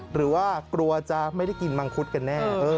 หรือว่ากลัวจะไม่ได้กินมังคุดกันแน่